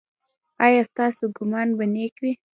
ایا ستاسو ګمان به نیک وي؟